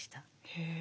へえ。